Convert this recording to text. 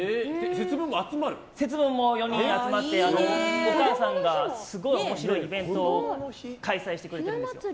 節分も４人集まってお母さんがすごい面白いイベントを開催してくれるんです。